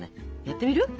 やってみる？